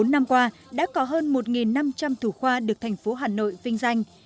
bốn năm qua đã có hơn một năm trăm linh thủ khoa được thành phố hà nội vinh danh